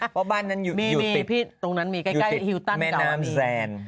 เพราะบ้านนั้นอยู่ติดแม่น้ำแซม